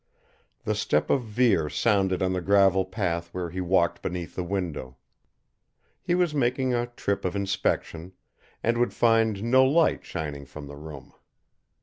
The step of Vere sounded on the gravel path where he walked beneath the window. He was making a trip of inspection, and would find no light shining from the room.